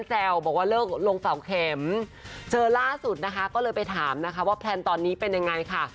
เจอล่าสุดนะคะก็เลยไปถามนะคะว่าแพลนตอนนี้เป็นยังไงค่ะ